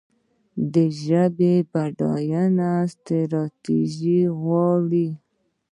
د ژبې بډاینه ستراتیژي غواړي.